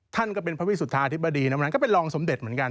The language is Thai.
ท่านก็เป็นพระวิสุทธาธิบดีนะวันนั้นก็เป็นรองสมเด็จเหมือนกัน